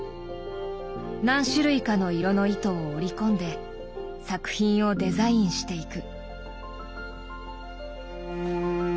何種類かの色の糸を織り込んで作品をデザインしていく。